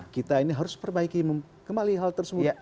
kita ini harus perbaiki kembali hal tersebut